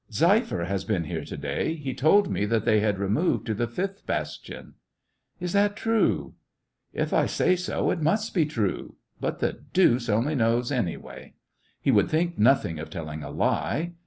" Zeifer has been here to day. He told me that they had removed to the fifth bastion." " Is that true ?"" If I say so, it must be true ; but the deuce only knows anyway ! He would think nothing of telling a lie.